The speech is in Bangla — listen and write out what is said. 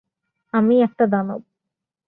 আমি একটা দানব।